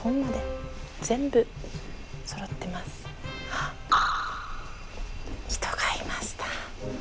あっ人がいました。